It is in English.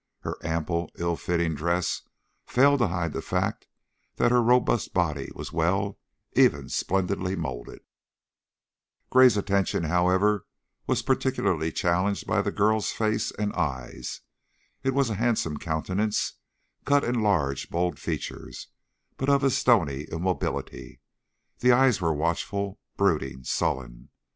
Her ample, ill fitting dress failed to hide the fact that her robust body was well, even splendidly molded. Gray's attention, however, was particularly challenged by the girl's face and eyes. It was a handsome countenance, cut in large, bold features, but of a stony immobility; the eyes were watchful, brooding, sullen.